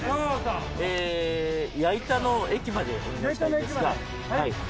矢板の駅までお願いしたいんですが。